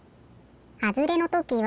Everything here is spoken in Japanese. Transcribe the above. はずれのときは。